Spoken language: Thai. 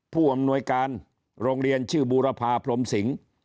ผู้อำนวยการโรงเรียนชื่อบูรพาพรมสิง